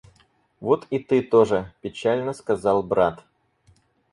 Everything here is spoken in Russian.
— Вот и ты тоже, — печально сказал брат.